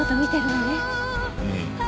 うん。